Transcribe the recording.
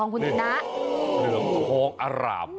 เหลือโคโคอร่าม